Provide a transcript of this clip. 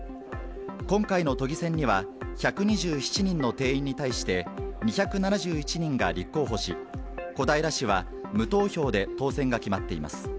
今回の都議選には、１２７人の定員に対して、２７１人が立候補し、小平市は無投票で当選が決まっています。